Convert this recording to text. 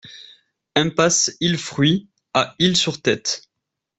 Impasse Ille Fruits à Ille-sur-Têt